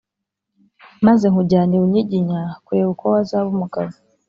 Maze nkujyana i Bunyiginya kureba uko wazaba umugabo